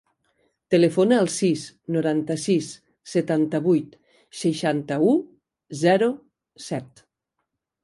Telefona al sis, noranta-sis, setanta-vuit, seixanta-u, zero, set.